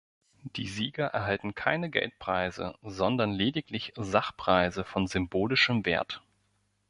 Die Sieger erhalten keine Geldpreise, sondern lediglich Sachpreise von symbolischem Wert.